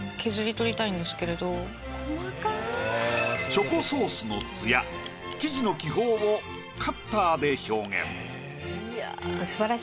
チョコソースのツヤ生地の気泡をカッターで表現。